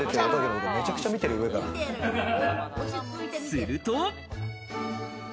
すると。